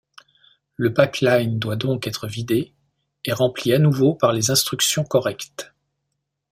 Le pipeline doit donc être vidé, et rempli à nouveau par les instructions correctes.